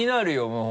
もう。